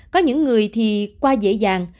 có những người thì qua dễ dàng